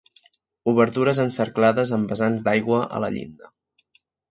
Obertures encerclades amb vessants d'aigua a la llinda.